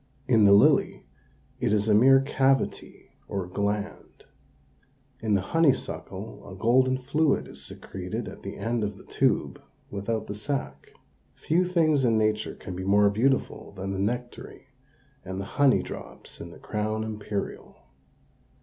In the lily it is a mere cavity, or gland. In the honeysuckle a golden fluid is secreted at the end of the tube, without the sac. Few things in nature can be more beautiful than the nectary and the honey drops in the crown imperial.